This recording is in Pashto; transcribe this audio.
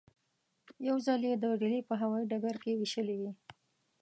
یو ځل یې د ډیلي په هوايي ډګر کې وېشلې وې.